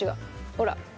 ほら。